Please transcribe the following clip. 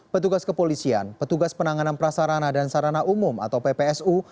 petugas kepolisian petugas penanganan prasarana dan sarana umum atau ppsu